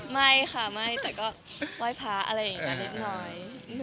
ไม่ค่ะไม่แต่ก็ไว้พ้าอะไรอย่างนี้กันนิดหน่อย